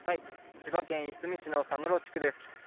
千葉県いすみ市の佐室地区です。